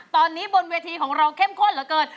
ตอนนี้บนเวทีของเราเข้มข้นเหลือเกิน